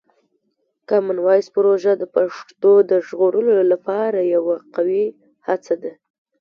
کامن وایس پروژه د پښتو د ژغورلو لپاره یوه قوي هڅه ده.